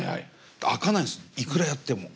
開かないんですいくらやっても。